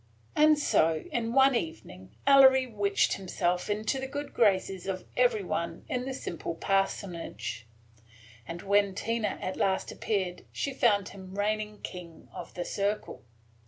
And so in one evening, Ellery witched himself into the good graces of every one in the simple parsonage; and when Tina at last appeared she found him reigning king of the circle.